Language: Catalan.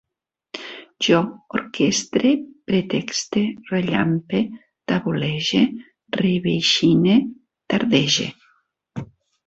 Jo orquestre, pretexte, rellampe, tabolege, reveixine, tardege